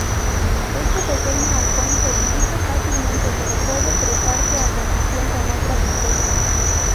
Este pequeño halcón se distingue fácilmente, pero puede prestarse a confusión con otras especies.